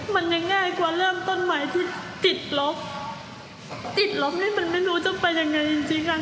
มันง่ายกว่าเรื่องต้นไม้ที่ติดลบติดลบนี่มันไม่รู้จะเป็นยังไงจริงจริงอ่ะ